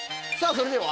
それでは？